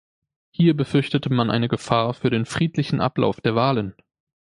Hier befürchtete man eine Gefahr für den friedlichen Ablauf der Wahlen.